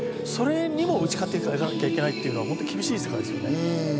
それにも打ち勝っていかなきゃいけないというのは厳しい世界ですね。